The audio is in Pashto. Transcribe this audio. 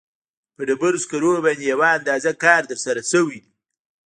په ډبرو سکرو باندې یو اندازه کار ترسره شوی دی.